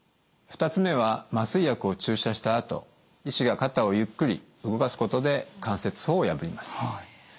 ２つ目は麻酔薬を注射したあと医師が肩をゆっくり動かすことで関節包を破ります。